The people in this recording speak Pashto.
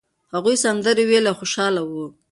هغوی سندرې ویلې او خوشاله وو.